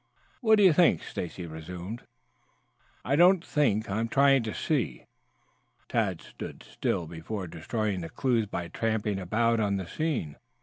"All right." "What do you think?" Stacy resumed. "I don't think. I am trying to see." Tad stood still before destroying the clues by tramping about on the scene.